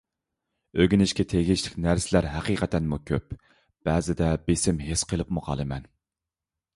ئۆگىنىشكە تېگىشلىك نەرسىلەر ھەقىقەتەنمۇ كۆپ، بەزىدە بېسىم ھېس قىلىپمۇ قالىمەن.